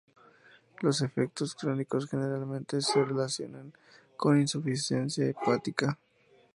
Los efectos crónicos generalmente se relacionan con insuficiencia hepática.